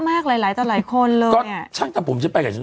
มากหลายหลายแต่หลายคนเลยอ่ะก็ช่างจากผมจะไปกับฉัน